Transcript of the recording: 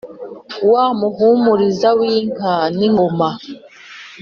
wa muhumuriza w’inka n’ingoma,